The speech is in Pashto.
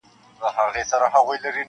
پرې به نه ږدمه چي يو سړى پر لار وي -